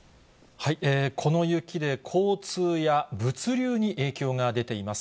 この雪で交通や物流に影響が出ています。